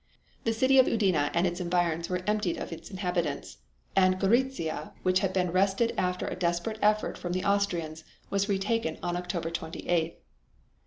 The city of Udine and its environs were emptied of their inhabitants; and Goritzia, which had been wrested after a desperate effort from the Austrians, was retaken on October 28th.